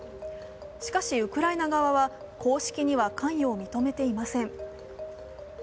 しかしウクライナ側は公式には関与を認めていません。